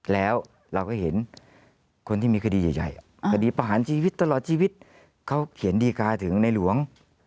แล้วเราก็เห็นคนที่มีคดีใหญ่คดีประหารชีวิตตลอดชีวิตเขาเขียนดีการ์ถึงในหลวง